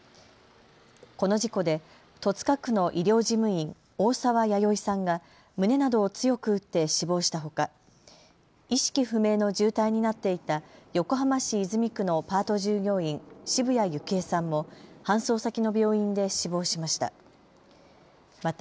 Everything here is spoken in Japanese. この事故で戸塚区の医療事務員、大澤弥生さんが胸などを強く打って死亡したほか意識不明の重体になっていた横浜市泉区のパート従業員、澁谷幸恵さんも搬送先の病院で死亡しました。